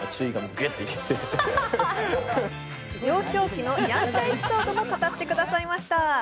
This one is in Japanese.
幼少期のやんちゃエピソードも語ってくれました。